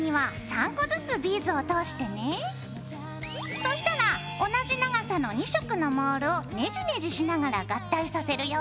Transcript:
そしたら同じ長さの２色のモールをねじねじしながら合体させるよ。